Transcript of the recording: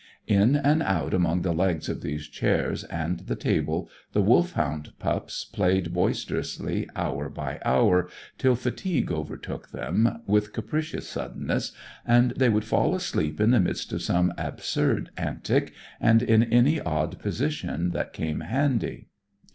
In and out among the legs of these chairs and the table the Wolfhound pups played boisterously hour by hour, till fatigue overtook them, with capricious suddenness, and they would fall asleep in the midst of some absurd antic and in any odd position that came handy.